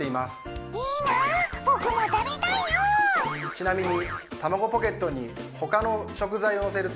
ちなみに。